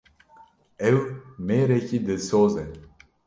Ew mêrekî dilsoz e.